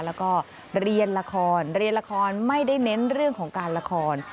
แล้วก็เรียนละครเรียนละครไม่ได้เน้นเรื่องของการละคร